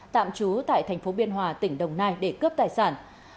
tạm trú tại thành phố biên hòa tỉnh đồng nai để cướp tài sản